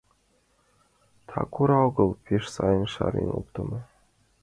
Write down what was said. Так ора огыл, пеш сайын шарен оптымо.